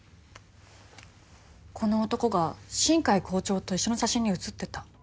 この男が新偕校長と一緒の写真に写ってた。